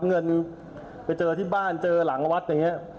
เงินไปเจอที่บ้านเจอหลังวัดอย่างนี้